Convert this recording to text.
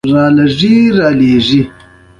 له کلاوو، کورونو، ونو، کوڅو… ډزې کېدې.